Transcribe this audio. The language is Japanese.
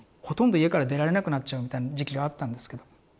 ほとんど家から出られなくなっちゃうみたいな時期があったんですけど。